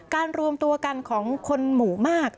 รวมตัวกันของคนหมู่มาก